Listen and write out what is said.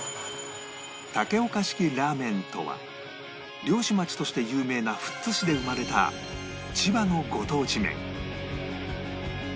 竹岡式ラーメンとは漁師町として有名な富津市で生まれた千葉のご当地麺